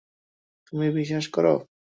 তুমি বিশ্বাস করো?